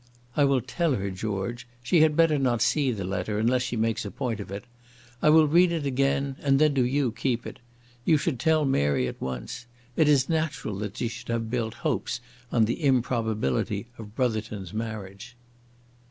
"I will tell her, George. She had better not see the letter, unless she makes a point of it. I will read it again, and then do you keep it. You should tell Mary at once. It is natural that she should have built hopes on the improbability of Brotherton's marriage."